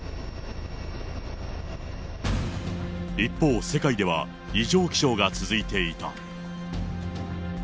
一方、世界では異常気象が続いていた。